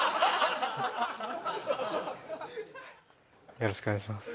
よろしくお願いします